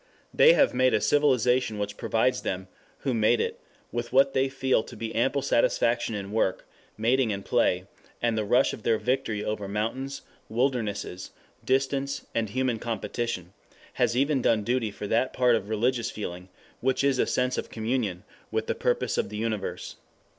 They have made a civilization which provides them who made it with what they feel to be ample satisfaction in work, mating and play, and the rush of their victory over mountains, wildernesses, distance, and human competition has even done duty for that part of religious feeling which is a sense of communion with the purpose of the universe.